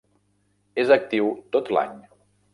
És actiu tot l'any.